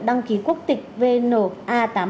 đăng ký quốc tịch vna tám trăm bảy mươi